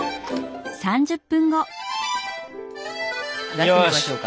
出してみましょうか。